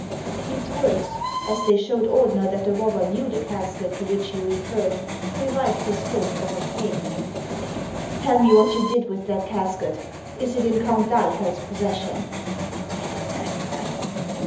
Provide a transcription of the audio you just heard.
These words, as they showed Ordener that the robber knew the casket to which he referred, revived his hope of obtaining it. " Tell me what you did with that casket. Is it in Count d'Ahlefeld's possession?"